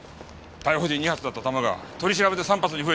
逮捕時２発だった弾が取り調べで３発に増えている。